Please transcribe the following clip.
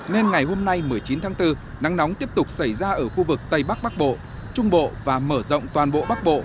nên ngày hôm nay một mươi chín tháng bốn nắng nóng tiếp tục xảy ra ở khu vực tây bắc bắc bộ trung bộ và mở rộng toàn bộ bắc bộ